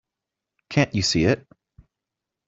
Can't you see it?